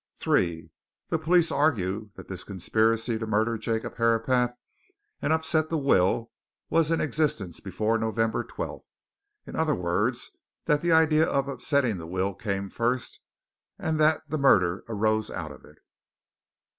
"3. The police argue that this conspiracy to murder Jacob Herapath and upset the will was in existence before November 12th in other words that the idea of upsetting the will came first, and that the murder arose out of it.